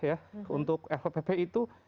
ya untuk flpp itu